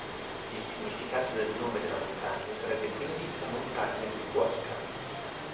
Il significato del nome della montagna sarebbe quindi "la montagna di Huáscar".